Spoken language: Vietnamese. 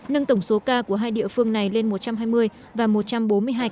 nâng tổng số ca của hai địa phương này lên một trăm hai mươi và một trăm bốn mươi hai ca